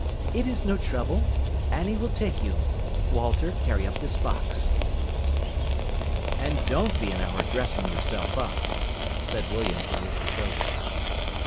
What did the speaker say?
"It is no trouble. Annie will take you. Walter, carry up this box." "And don't be an hour dressing yourself up," said William to his betrothed.